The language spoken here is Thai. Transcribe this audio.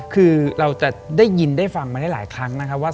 คือเราจะได้ยินได้ฟังมาได้หลายครั้งนะครับว่า